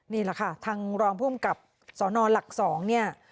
นี่แหละค่ะทางรองภูมิกับสนหลัก๒เนี่ย